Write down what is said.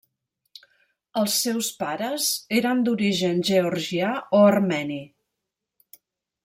Els seus pares eren d'origen georgià o armeni.